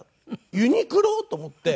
ユニクロ！？と思って。